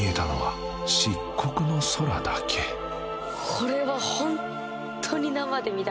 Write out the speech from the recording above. これは。